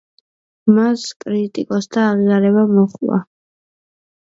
მას კრიტიკოსთა აღიარება მოჰყვა.